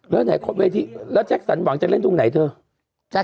แล้วแจ็คสันหวังจะเล่นตรงไหนเถอะ